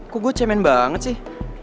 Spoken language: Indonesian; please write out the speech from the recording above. ku gue cemen banget sih